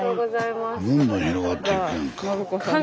スタジオどんどん広がっていくやんか。